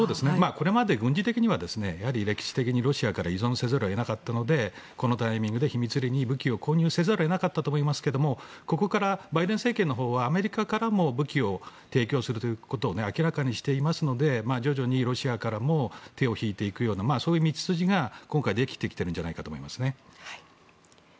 これまで軍事的には歴史的にロシアから依存せざるを得なかったのでこのタイミングで秘密裏に武器を購入せざるを得なかったと思いますけれどここからバイデン政権のほうはアメリカからも武器を提供するということを明らかにしていますので徐々にロシアからも手を引いていくようなそういう道筋が今回できてきていると思いますね。